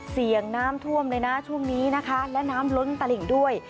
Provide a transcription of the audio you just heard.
เสี่ยงน้ำท่วมเลยนะช่วงนี้นะคะและน้ำล้นตลิ่งด้วย